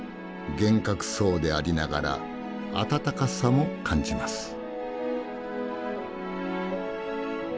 厳格そうでありながらあたたかさも感じます。